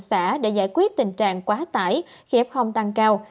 xã để giải quyết tình trạng quá tải khi f tăng cao